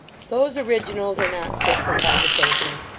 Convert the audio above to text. Those originals are not fit for conversation.